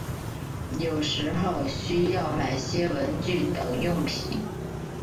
有时候需要买些文具等用品